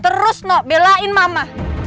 terus nuh belain mama